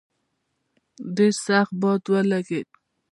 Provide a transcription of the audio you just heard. ډېر سخت باد ولګېد.